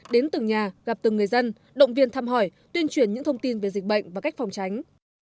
đến từng nhà gặp từng người dân động viên thăm hỏi tuyên truyền những thông tin về dịch bệnh và cách phòng tránh